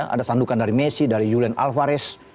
ada sandukan dari messi dari julian alvarez